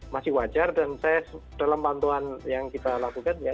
masih wajar dan saya dalam pantauan yang kita lakukan ya